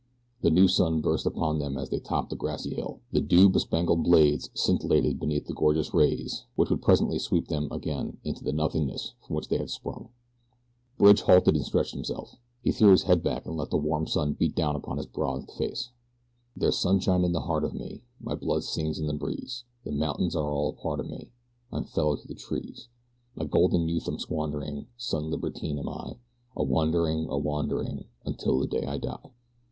The new sun burst upon them as they topped a grassy hill. The dew bespangled blades scintillated beneath the gorgeous rays which would presently sweep them away again into the nothingness from which they had sprung. Bridge halted and stretched himself. He threw his head back and let the warm sun beat down upon his bronzed face. There's sunshine in the heart of me, My blood sings in the breeze; The mountains are a part of me, I'm fellow to the trees. My golden youth I'm squandering, Sun libertine am I, A wandering, a wandering, Until the day I die.